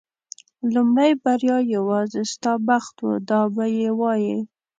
لومړۍ بریا یوازې ستا بخت و دا به یې وایي.